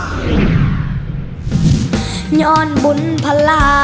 ขอบคุณค่ะ